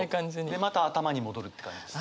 でまた頭に戻るって感じです。